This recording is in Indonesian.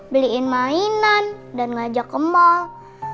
beliin mainan dan ngajak ke mall